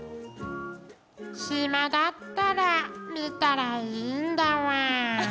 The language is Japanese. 暇だったら見たらいいんだわぁ。